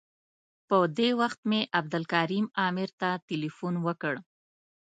په دې ورځ مې عبدالکریم عامر ته تیلفون وکړ.